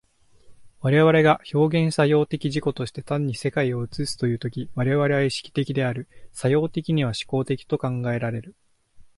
我々が表現作用的自己として単に世界を映すという時、我々は意識的である、作用的には志向的と考えられる。